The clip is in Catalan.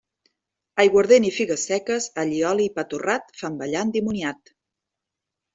Aiguardent i figues seques, allioli i pa torrat, fan ballar endimoniat.